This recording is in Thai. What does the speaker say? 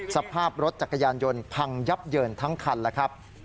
สภาพรถจักรยานยนต์พังยับเยินทั้งคันแล้วครับ